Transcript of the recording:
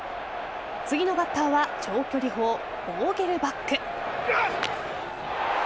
次のバッターは長距離砲・ボーゲルバック。